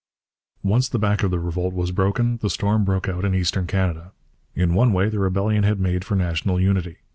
Once the back of the revolt was broken, the storm broke out in Eastern Canada. In one way the rebellion had made for national unity.